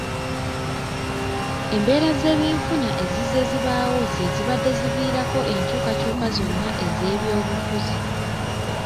Embeera z'ebyenfuna ezizze zibaawo ze zibadde ziviirako enkyukakyuka zonna ez'ebyobufuzi.